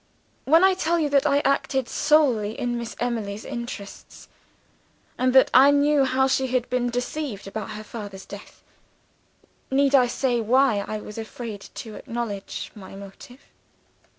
When I tell you that I acted solely in Miss Emily's interests, and that I knew how she had been deceived about her father's death, need I say why I was afraid to acknowledge my motive?